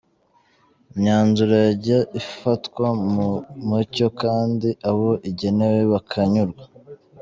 Imyanzuro yajya ifatwa mu mucyo kandi abo igenewe bakanyurwa.